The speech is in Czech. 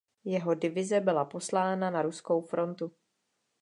Jeho divize byla poslána na ruskou frontu.